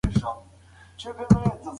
تاوانونه انسان ته نوې لارې ښيي.